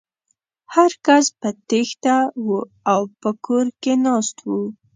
هر کس په تېښته و او په کور کې ناست و.